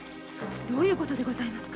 どういう事でございます？